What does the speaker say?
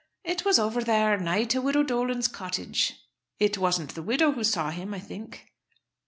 "It was over there, nigh to widow Dolan's cottage." "It wasn't the widow who saw him, I think?"